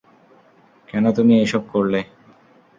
কেন তুমি এই সব করলে?